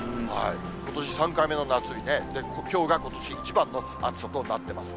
ことし３回目の夏日ね、きょうがことし一番の暑さとなっています。